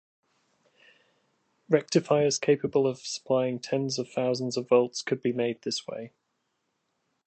Rectifiers capable of supplying tens of thousands of volts could be made this way.